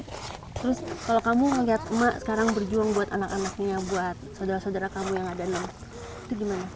terus kalau kamu melihat emak sekarang berjuang buat anak anaknya buat saudara saudara kamu yang ada enam itu gimana